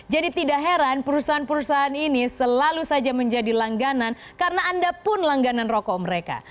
jadi tidak heran perusahaan perusahaan ini selalu saja menjadi langganan karena anda pun langganan rokok mereka